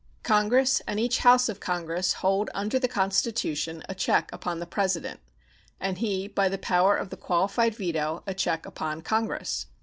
Congress, and each House of Congress, hold under the Constitution a check upon the President, and he, by the power of the qualified veto, a check upon Congress.